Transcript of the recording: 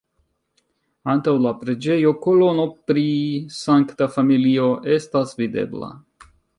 Antaŭ la preĝejo kolono pri Sankta Familio estas videbla.